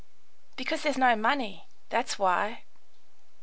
Because there's no money. That's why!